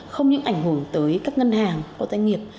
không những ảnh hưởng tới các ngân hàng của doanh nghiệp